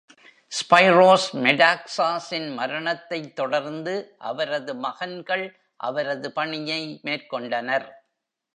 ஸ்பைரோஸ் மெடாக்சாஸின் மரணத்தைத் தொடர்ந்து, அவரது மகன்கள் அவரது பணியை மேற்கொண்டனர்.